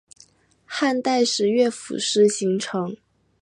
汉代时乐府诗形成。